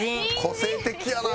個性的やな！